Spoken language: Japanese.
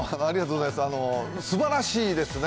すばらしいですね。